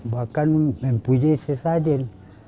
bahkan mempunyai sesajen